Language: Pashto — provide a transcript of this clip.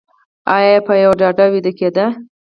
ایا په یوه ډډه ویده کیږئ؟